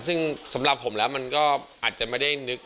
ซึ่งสำหรับผมแล้วมันก็อาจจะไม่ได้นึก